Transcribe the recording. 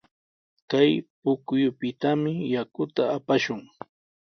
Kay pukyupitami yakuta apashun.